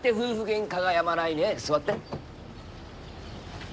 座って。